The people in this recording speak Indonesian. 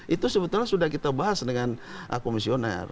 itu sebetulnya sudah kita bahas dengan komisioner